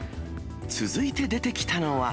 続いて出てきたのは。